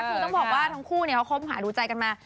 คือต้องบอกว่าทั้งคู่เขาคบหาดูใจกันมา